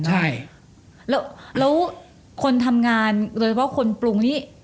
จะแล้วคนทำงานตัวผู้กับคนปรุงนี้